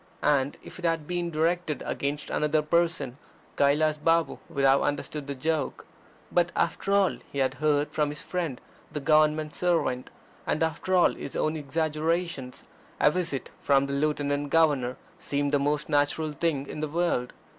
And, if it had been directed against another person, Kailas Balm would have understood the joke. But after all he had heard from his friend the Government servant, and after all his own exaggerations, a visit from the Lieutenant Governor seemed the most natural thing in the world.